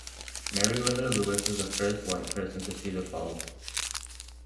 Meriwether Lewis was the first white person to see the falls.